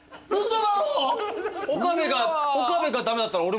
岡部が駄目だったら俺